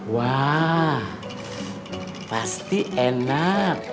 wah pasti enak